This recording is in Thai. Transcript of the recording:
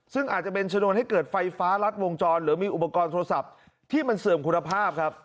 ซึ่งอาจจะเป็นชนวนให้เกิดไฟฟ้ารัดวงจรหรือมีอุปกรณ์โทรศัพท์ที่มันเสื่อมคุณภาพครับ